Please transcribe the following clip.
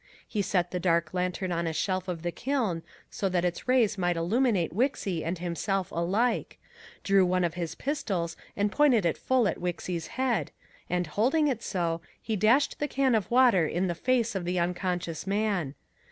He set the dark lantern on a shelf of the kiln, so that its rays might illuminate Wixy and himself alike, drew one of his pistols and pointed it full at Wixy's head, and holding it so, he dashed the can of water in the face of the unconscious man.